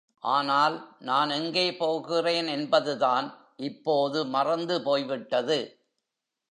ஆனால், நான் எங்கே போகிறேன் என்பதுதான் இப்போது மறந்துபோய்விட்டது.